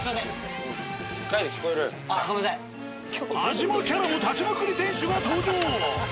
味もキャラも立ちまくり店主が登場。